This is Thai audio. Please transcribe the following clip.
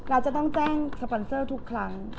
เราจะต้องแจ้งสปอนเซอร์ทุกครั้ง